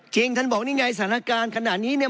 จริงท่านบอกนี่ไงสถานการณ์ขนาดนี้เนี่ย